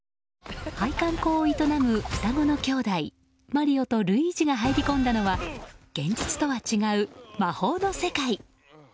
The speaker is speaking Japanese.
配管工を営む２人の兄弟マリオとルイージが入り込んだのは現実とは違う、魔法の世界。